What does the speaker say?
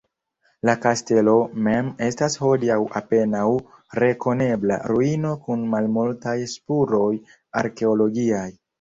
La kastelo mem estas hodiaŭ apenaŭ rekonebla ruino kun malmultaj spuroj arkeologiaj.